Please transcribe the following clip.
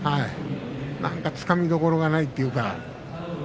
なんかつかみどころがないというか。